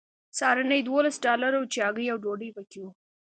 سهارنۍ دولس ډالره وه چې هګۍ او ډوډۍ پکې وه